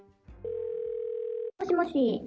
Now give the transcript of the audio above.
もしもし。